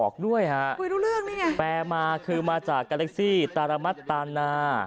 คือมาจากกาเล็กซี่ตาละมัดตานา